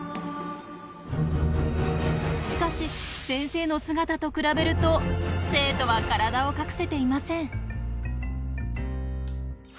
しかし先生の姿と比べると生徒は体を隠せていません。